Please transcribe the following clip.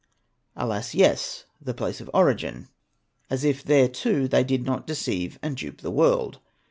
Alas, yes, the place of origin! As if there too they did not deceive and dupe the world!